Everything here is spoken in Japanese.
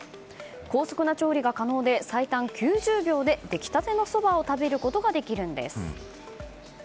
高速な調理が可能で最短９０秒で出来立てのそばを食べることができるんです。